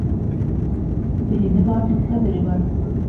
Белеме барҙың ҡәҙере бар.